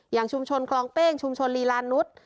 อย่างชุมชนคลองเป้งชุมชนลีลานุษย์